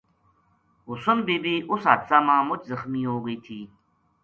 حسن بی بی اس حادثہ ما مُچ زخمی ہو گئی تھی